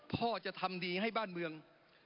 พ่อจะทำดีให้บ้านเมือง